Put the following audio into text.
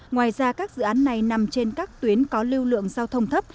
ngoài ra các dự án này nằm trên các tuyến có lưu lượng giao thông thấp